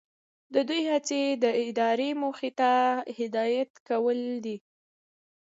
د دوی هڅې د ادارې موخې ته هدایت کول دي.